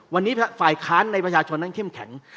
วันนี้ฝ่ายค้านในประชาชนนั้นเข้มแข็ง